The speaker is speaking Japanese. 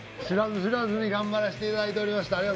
知らず知らずに頑張らしていただいておりました。